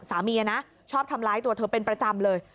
สามีนะชอบทำร้ายตัวเธอเป็นประจำเลย